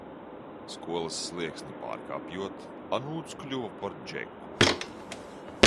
Skolas slieksni pārkāpjot, Anūts kļuva par Džeku.